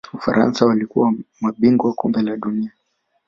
ufaransa walikuwa mabingwa Kombe la dunia